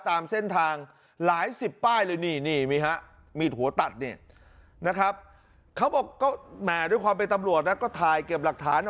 ตามเส้นทางหลายสิบป้ายเลยนี่มีฮะมีดหัวตัดเนี่ยนะครับเขาบอกก็แหมด้วยความเป็นตำรวจนะก็ถ่ายเก็บหลักฐาน